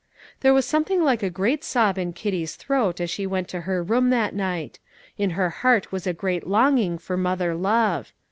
There was something like a great sob in Kitty's throat as she went to her room that night; in her heart was a great longing for mother love.